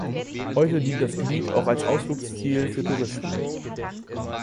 Heute dient das Gebiet auch als Ausflugsziel für Touristen.